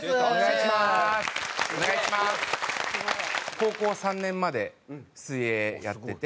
高校３年まで水泳やってて。